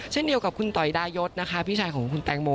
เช่นเดียวกับคุณต่อยดายศนะคะพี่ชายของคุณแตงโม